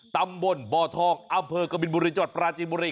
ตำบลบ่อทองอำเภอกบินบุรีจังหวัดปราจีนบุรี